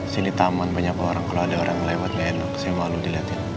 sini taman banyak orang kalau ada orang lewat saya malu dilihatin